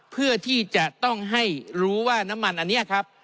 เพื่อที่จะต้องให้รู้ว่าน้ำมันอันนี้ครับ